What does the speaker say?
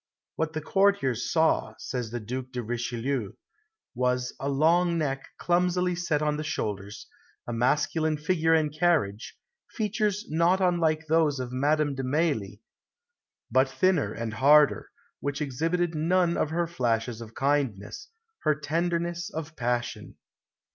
What the courtiers saw, says the Duc de Richelieu, was "a long neck clumsily set on the shoulders, a masculine figure and carriage, features not unlike those of Madame de Mailly, but thinner and harder, which exhibited none of her flashes of kindness, her tenderness of passion."